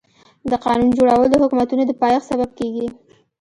د قانون جوړول د حکومتونو د پايښت سبب کيږي.